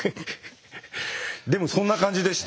でもそんな感じでした。